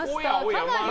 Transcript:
かなり。